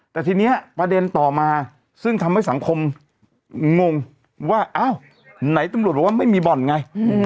แต่ทีนี้ประเด็นต่อมาซึ่งทำให้สังคมงงว่าอ้าวไหนตำรวจบอกว่าไม่มีบ่อนไง